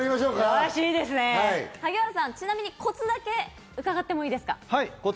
萩原さん、ちなみにコツだけ伺ってもいいですか？